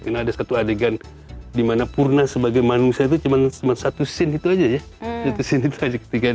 karena ada satu adegan di mana purna sebagai manusia itu cuma satu scene itu saja